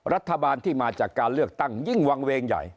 รัฐบาลที่มาจากการเลือกตั้งยิ่งวางเวงใหญ่